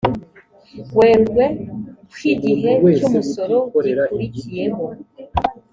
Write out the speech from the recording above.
werurwe kw igihe cy umusoro gikurikiyeho